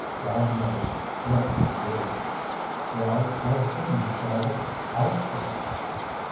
God knows what he would do!" "Well, why shouldn't he shout it out to her?"